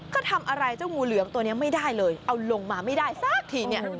ก็ทำอะไรเจ้างูเหลือมตัวนี้ไม่ได้เลยเอาลงมาไม่ได้สักทีเนี่ย